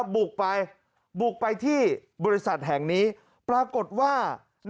บุกไปในบริษัทแห่งนี้ปรากฏว่า